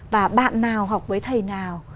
và bạn nào học với thầy nào